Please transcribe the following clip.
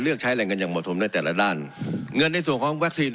เลือกใช้แหล่งกันอย่างหมดธรรมด้วยแต่ละด้านเงินในส่วนของแว็กซีน